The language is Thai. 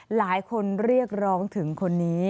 หลายคนเรียกร้องถึงคนนี้